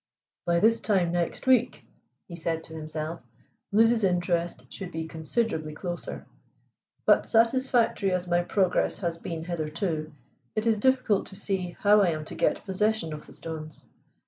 "By this time next week," he said to himself, "Liz's interest should be considerably closer. But satisfactory as my progress has been hitherto, it is difficult to see how I am to get possession of the stones.